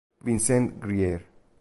Vincent Grier